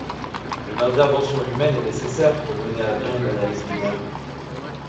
Une intervention humaine est nécessaire pour mener à bien une analyse binaire.